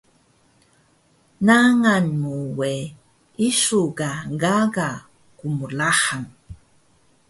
Nangal mu we isu ka gaga qmlahang